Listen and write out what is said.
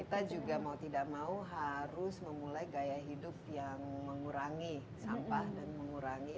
kita juga mau tidak mau harus memulai gaya hidup yang mengurangi sampah dan mengurangi